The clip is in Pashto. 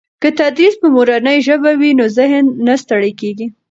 که تدریس په مورنۍ ژبه وي نو ذهن نه ستړي کېږي.